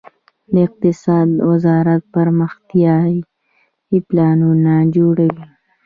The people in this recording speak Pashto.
د اقتصاد وزارت پرمختیايي پلانونه جوړوي